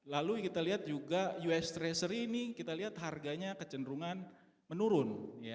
lalu kita lihat juga us treasury ini kita lihat harganya kecenderungan menurun